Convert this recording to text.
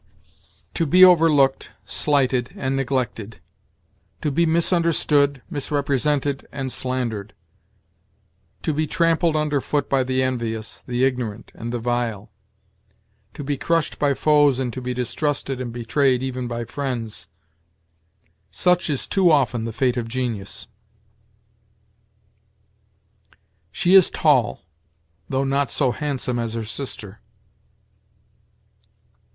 "To be overlooked, slighted, and neglected; to be misunderstood, misrepresented, and slandered; to be trampled under foot by the envious, the ignorant, and the vile; to be crushed by foes, and to be distrusted and betrayed even by friends such is too often the fate of genius." "She is tall, though not so handsome as her sister."